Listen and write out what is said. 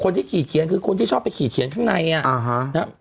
ที่ขีดเขียนคือคนที่ชอบไปขีดเขียนข้างในอ่ะอ่าฮะ